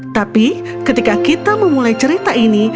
tapi ketika kita memulai cerita ini